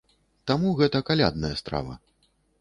Таму гэта калядная страва.